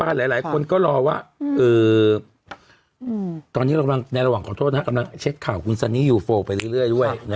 รัฐบาลหลายก็รอว่าอืมอืมตอนนี้เรากำลังนะดั่งเช็คข่าวคุณอยู่ไปเรื่อยด้วยค่ะ